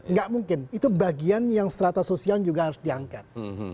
nggak mungkin itu bagian yang strata sosial juga harus diangkat